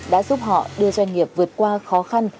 đã giúp họ đưa doanh nghiệp vượt qua khó khăn